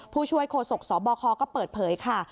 ผู้ช่วยโฆษกสบคก็เปิดเผยค่ะ